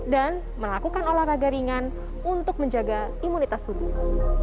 dan melakukan olahraga ringan untuk menjaga imunitas tubuh